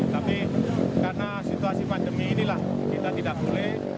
tapi karena situasi pandemi inilah kita tidak boleh